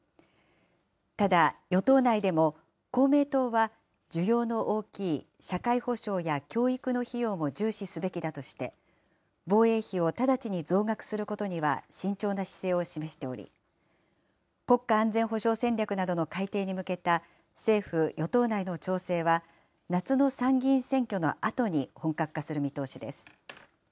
ただ、与党内でも公明党は需要の大きい社会保障や教育の費用も重視すべきだとして、防衛費を直ちに増額することには慎重な姿勢を示しており、国家安全保障戦略などの改定に向けた政府・与党内の調整は夏の参議院選挙のあとに本格化する見通しです。